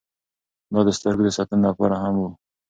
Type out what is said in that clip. دا د سترګو د ساتنې لپاره هم و.